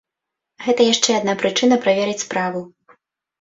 Гэта яшчэ адна прычына праверыць справу.